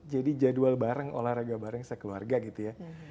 jadwal bareng olahraga bareng sekeluarga gitu ya